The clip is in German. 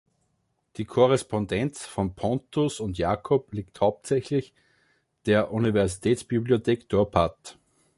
Die Korrespondenz von Pontus und Jakob liegt hauptsächlich der Universitätsbibliothek Dorpat.